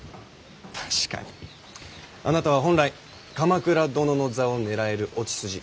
確かにあなたは本来鎌倉殿の座を狙えるお血筋。